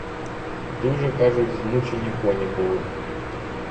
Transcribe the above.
Дуже, кажуть, змучені коні були.